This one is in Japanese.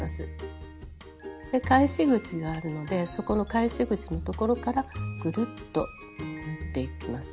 で返し口があるのでそこの返し口のところからぐるっと縫っていきます。